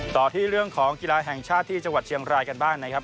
ต่อที่เรื่องของกีฬาแห่งชาติที่จังหวัดเชียงรายกันบ้างนะครับ